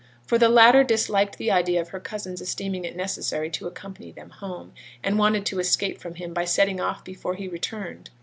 For the latter disliked the idea of her cousin's esteeming it necessary to accompany them home, and wanted to escape from him by setting off before he returned.